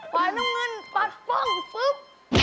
ปล่อยน้องเงินปลัดป้องปุ๊บ